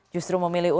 justru memilih ulama